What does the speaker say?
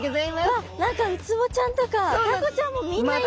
あっ何かウツボちゃんとかタコちゃんもみんないる。